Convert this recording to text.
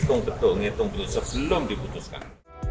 hitung hitung hitung hitung sebelum diputuskan